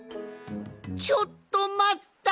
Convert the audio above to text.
ちょっとまった！